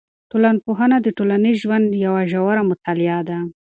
ټولنپوهنه د ټولنیز ژوند یوه ژوره مطالعه ده.